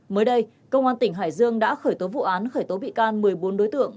mới đây công an tỉnh hải dương đã khởi tố vụ án khởi tố bị can một mươi bốn đối tượng